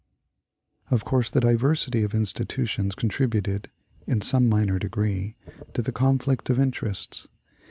Of course, the diversity of institutions contributed, in some minor degree, to the conflict of interests.